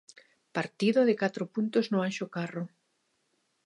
Partido de catro puntos no Anxo Carro.